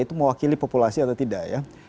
itu mewakili populasi atau tidak ya